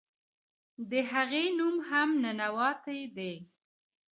د هغې نوم هم "ننواتې" دے.